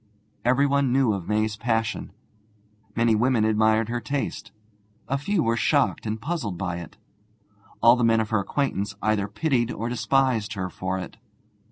Everyone knew of May's passion. Many women admired her taste; a few were shocked and puzzled by it. All the men of her acquaintance either pitied or despised her for it.